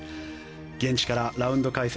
現地からラウンド解説